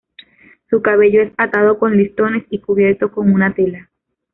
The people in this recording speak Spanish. Su cabello es atado con listones y cubierto con una tela.